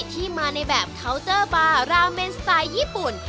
ที่มาในแบบเคาน์เตอร์บาร์ราเมนสไตล์ญี่ปุ่น